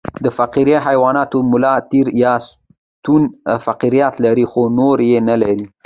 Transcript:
فقاریه حیوانات د ملا تیر یا ستون فقرات لري خو نور یې نلري